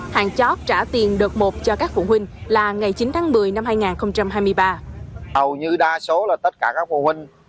hàng chót trả tiền đợt một cho các phụ huynh là ngày chín tháng một mươi năm hai nghìn hai mươi ba